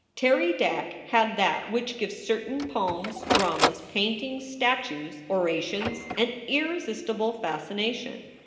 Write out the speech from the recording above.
Terry Dack had that which gives certain poems, dramas, paintings, statues, orations, an irresistible fascination.